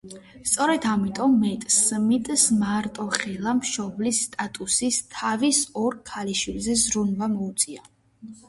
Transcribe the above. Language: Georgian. სწორედ ამიტომ, მეთ სმიტს მარტოხელა მშობლის სტატუსით თავის ორ ქალიშვილზე ზრუნვა მოუწია.